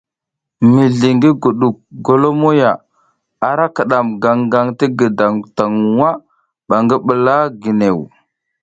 Mizli ngi guɗuk golomoya ara kiɗam gangaŋ ti gǝdaŋ taŋ nwa ɓa ngi ɓula ginew.